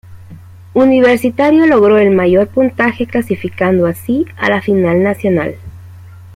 Universitario logró el mayor puntaje clasificando así a la Final Nacional.